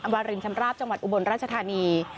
วารินชำราบจังหวัดอุบลราชธานี